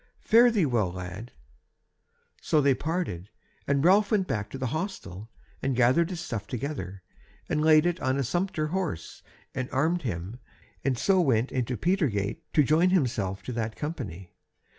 Fare thee well, lad!" So they parted, and Ralph went back to the hostel, and gathered his stuff together, and laid it on a sumpter horse, and armed him, and so went into Petergate to join himself to that company.